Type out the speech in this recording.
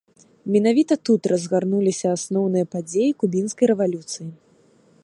Менавіта тут разгарнуліся асноўныя падзеі кубінскай рэвалюцыі.